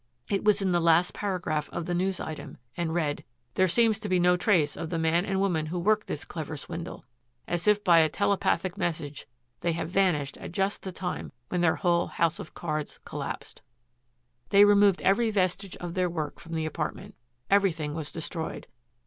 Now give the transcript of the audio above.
It was in the last paragraph of the news item, and read: "There seems to be no trace of the man and woman who worked this clever swindle. As if by a telepathic message they have vanished at just the time when their whole house of cards collapsed." They removed every vestige of their work from the apartment. Everything was destroyed.